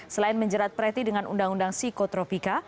selain menjerat preti dengan undang undang psikotropika